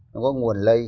nó có nguồn lây